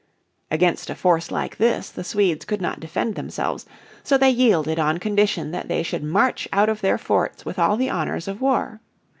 Against a force like this the Swedes could not defend themselves, so they yielded on condition that they should march out of their forts with all the honours of war.